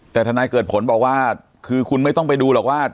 แต่ทนายเกิดผลบอกว่าคือคุณไม่ต้องไปดูหรอกว่า